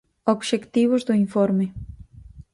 Obxectivos do informe.